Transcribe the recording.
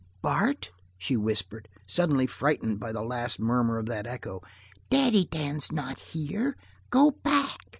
"Bart!" she whispered, suddenly frightened by the last murmur of that echo, "Daddy Dan's not here. Go back!"